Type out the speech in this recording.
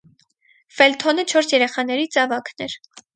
Ֆելթոնը չորս երեխաներից ավագն էր։